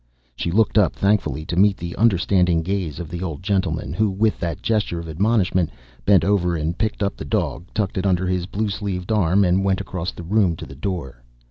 She looked up thankfully to meet the understanding gaze of the old gentleman who with that gesture of admonishment bent over and picked up the dog, tucked it under his blue sleeved arm and went across the room to the door.